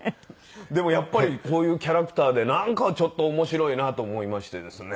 でもやっぱりこういうキャラクターでなんかちょっと面白いなと思いましてですね。